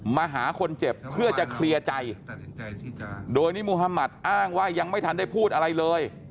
มาหาคนเจ็บเพื่อจะเคลียร์ใจโดยนิมุธมัติอ้างว่ายังไม่ทันได้พูดอะไรเลย